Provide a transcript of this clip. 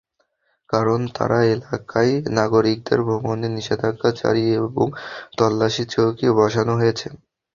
কারণ, দারা এলাকায় নাগরিকদের ভ্রমণে নিষেধাজ্ঞা জারি এবং তল্লাশিচৌকি বসানো হয়েছে।